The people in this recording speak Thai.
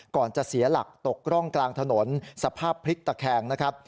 ก่อนจะเสียหลักตกร่องกลางถนนสภาพพลิกตะแคงนะครับ